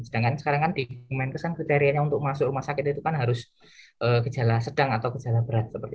sedangkan sekarang kan di kemenkesan kriterianya untuk masuk rumah sakit itu kan harus gejala sedang atau gejala berat